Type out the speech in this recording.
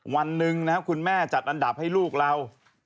วันหนึ่งนะครับคุณแม่จัดอันดับให้ลูกเรา